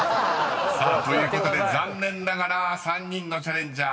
［ということで残念ながら３人のチャレンジャー